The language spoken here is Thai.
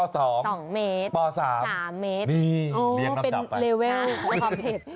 ส้มตำป๒ป๓นี่เรียงส้มตำไปเป็นเลเวลของความเผ็ด